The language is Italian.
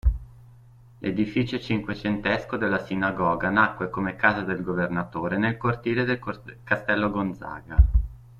L'edificio cinquecentesco della sinagoga nacque come "Casa del governatore" nel cortile del castello Gonzaga.